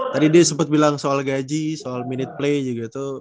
tadi dia sempat bilang soal gaji soal minute play juga itu